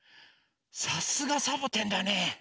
さすがサボテンだね。